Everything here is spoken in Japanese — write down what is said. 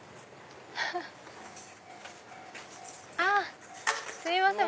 あっすいません